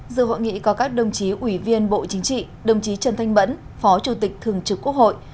dự hội nghị có các đồng chí ủy viên bộ chính trị đồng chí trần thanh bẫn phó chủ tịch thường trực quốc hội